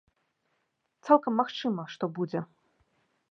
Цалкам магчыма, што будзе.